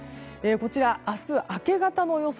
こちら、明日明け方の予想